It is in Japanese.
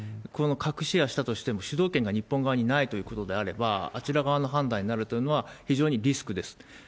この核シェアしたとしても、主導権が日本側にないということであれば、あちら側の判断になるというのは非常にリスクです。